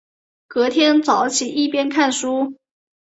隔天早起一边读书